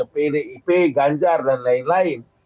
pdip ganjar dan lain lain